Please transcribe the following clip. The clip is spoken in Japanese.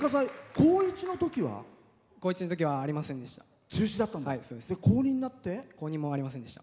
高１のときはありませんでした。